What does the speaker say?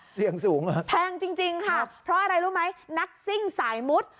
เสียงสูงแพงจริงค่ะเพราะอะไรรู้ไหมนักซิ่งสายมุทร